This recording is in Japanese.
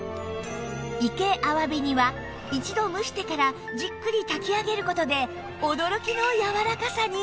活け鮑煮は一度蒸してからじっくり炊き上げる事で驚きのやわらかさに